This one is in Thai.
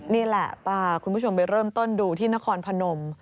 นี่แหละพาคุณผู้ชมไปเริ่มต้นดูที่นครพนม